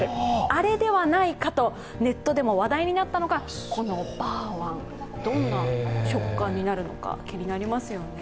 あれではないかとネットでも話題になったのが、このバーワン、どんな食感になるのか気になりますよね。